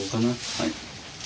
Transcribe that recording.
はい。